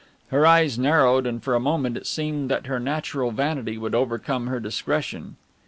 Her eyes narrowed and for a moment it seemed that her natural vanity would overcome her discretion.